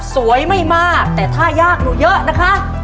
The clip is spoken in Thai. ไม่มากแต่ถ้ายากหนูเยอะนะคะ